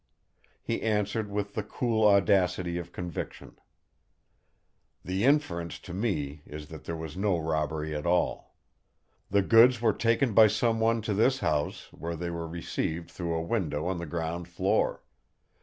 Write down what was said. He answered with the cool audacity of conviction: "The inference to me is that there was no robbery at all. The goods were taken by someone to this house, where they were received through a window on the ground floor.